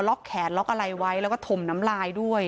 แขนล็อกอะไรไว้แล้วก็ถมน้ำลายด้วย